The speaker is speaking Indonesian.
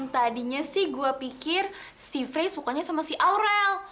tadinya sih gue pikir si frey sukanya sama si aurel